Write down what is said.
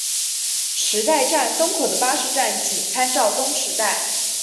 池袋站东口的巴士站请参照东池袋。